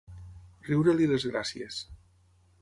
Riure-li les gràcies.